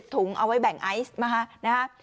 ๒๐ถุงเอาไว้แบ่งไอซ์มา